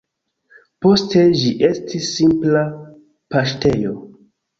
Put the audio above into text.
Poste ĝi estis simpla paŝtejo.